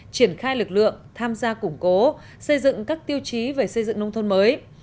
triển khai lực lượng tham gia củng cố xây dựng các tiêu chí về xây dựng nông thôn mới